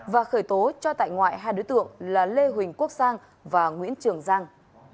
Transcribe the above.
và khởi tố cho tại ngoại hai đối tượng là lê huỳnh quốc sang và nguyễn trường giang